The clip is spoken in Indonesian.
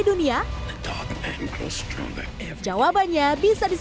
ke cocok berpr director ke pemilik ini powder